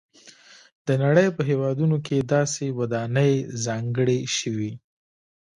د نړۍ په هېوادونو کې داسې ودانۍ ځانګړې شوي.